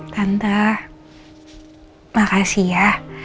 tante makasih ya